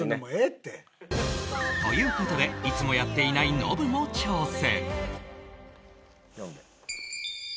という事でいつもやっていないノブも挑戦